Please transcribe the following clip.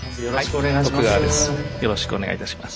よろしくお願いします。